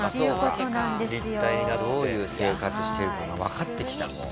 どういう生活してるかがわかってきたもう。